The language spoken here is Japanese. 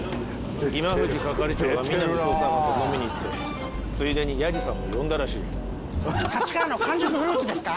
今藤係長が皆実捜査官と飲みに行ってついでにヤジさんも呼んだらしい立川の完熟フルーツですか？